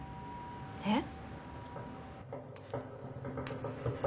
えっ？